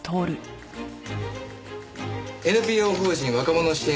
ＮＰＯ法人若者支援